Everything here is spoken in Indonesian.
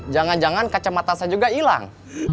jangan jangan kacamata saya juga hilang